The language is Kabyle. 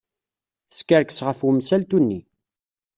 Teskerkes ɣef wemsaltu-nni.